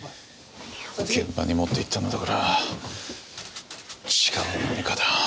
現場に持っていったのだから違う何かだ。